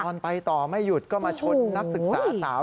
ตอนไปต่อไม่หยุดก็มาชนนักศึกษาสาว